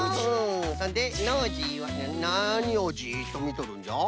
そんでノージーはなにをジッとみとるんじゃ？